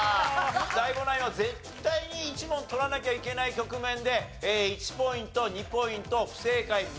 ＤＡＩＧＯナインは絶対に１問取らなきゃいけない局面で１ポイント２ポイント不正解。